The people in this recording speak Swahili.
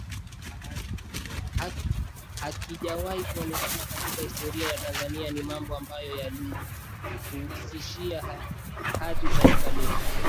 hakijawahi kuonekana katika historia ya Tanzania ni mambo ambayo yanalishushia hadhi taifa letu